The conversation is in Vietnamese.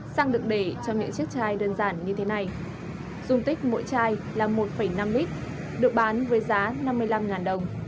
xăng được để cho những chiếc chai đơn giản như thế này dung tích mỗi chai là một năm lít được bán với giá năm mươi năm đồng